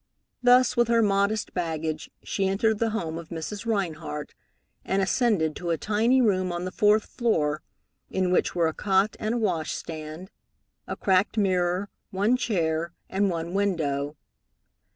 Thus, with her modest baggage, she entered the home of Mrs. Rhinehart, and ascended to a tiny room on the fourth floor, in which were a cot and a washstand, a cracked mirror, one chair, and one window.